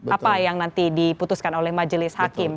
apa yang nanti diputuskan oleh majelis hakim